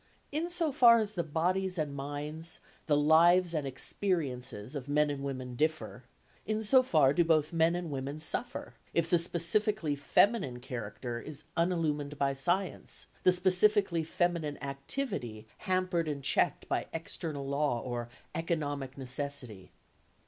In so far as the bodies and minds, the lives and experiences of men and women differ, in so far do both men and women suffer, if the specifically feminine character is unillumined by science, the specifically feminine activity hampered and checked by external law or economic necessity.